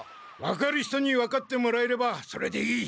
分かる人に分かってもらえればそれでいい。